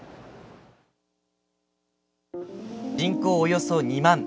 人口およそ２万。